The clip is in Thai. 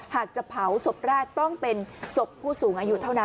หากจะเผาศพแรกต้องเป็นศพผู้สูงอายุเท่านั้น